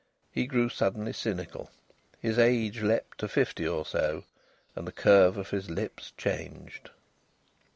He grew suddenly cynical. His age leaped to fifty or so, and the curve of his lips changed.